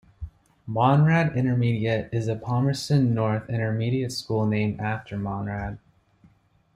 Monrad Intermediate is a Palmerston North intermediate school named after Monrad.